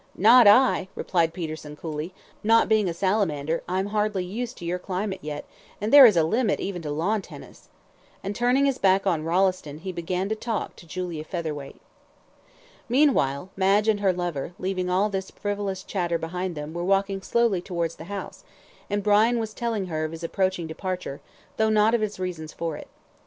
"Not I," replied Peterson, coolly. "Not being a salamander, I'm hardly used to your climate yet, and there is a limit even to lawn tennis;" and turning his back on Rolleston, he began to talk to Julia Featherweight. Meanwhile, Madge and her lover, leaving all this frivolous chatter behind them, were walking slowly towards the house, and Brian was telling her of his approaching departure, though not of his reasons for it.